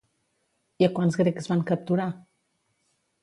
I a quants grecs van capturar?